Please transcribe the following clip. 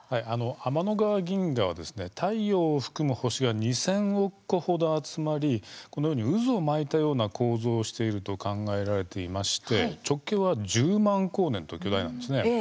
天の川銀河は太陽を含む星が２千億個ほど集まりこのように渦を巻いたような構造をしていると考えられていまして直径は１０万光年と巨大なんです。